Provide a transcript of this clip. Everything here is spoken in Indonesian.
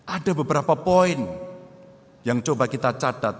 ada beberapa poin yang coba kita catat